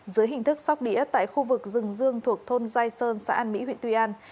dưới hình thức sóc đĩa tại khu vực rừng dương thuộc thôn giai sơn xã an mỹ huyện tuy an